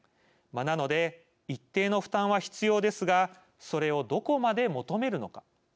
なので、一定の負担は必要ですがそれをどこまで求めるのか。